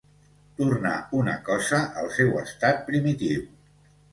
Tornar una cosa al seu estat primitiu.